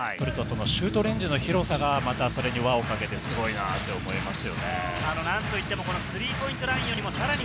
シュートレンジの広さが、またそれに輪をかけすごいなと思います。